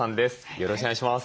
よろしくお願いします。